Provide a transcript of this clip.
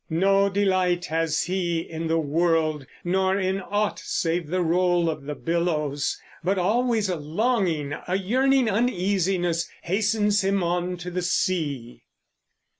No delight has he in the world, Nor in aught save the roll of the billows; but always a longing, A yearning uneasiness, hastens him on to the sea.